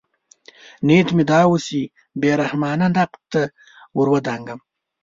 نیت مې دا و چې بې رحمانه نقد ته ورودانګم.